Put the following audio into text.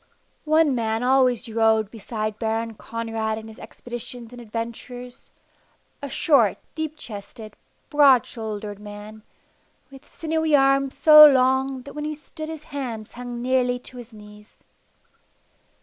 One man always rode beside Baron Conrad in his expeditions and adventures a short, deep chested, broad shouldered man, with sinewy arms so long that when he stood his hands hung nearly to his knees.